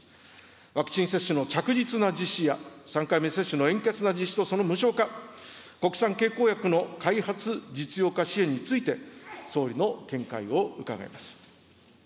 ワクチン接種の着実な実施や、３回目接種の円滑な実施とその無償化、国産経口薬の開発・実用化支援について、総理の見解を伺います。